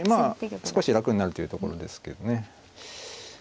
はいまあ少し楽になるというところですけどね。